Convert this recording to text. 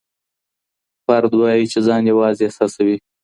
فرد وايي چي ځان يوازي احساسوي.